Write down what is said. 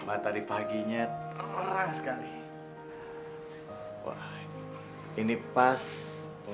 auraitnya panji aja deh itu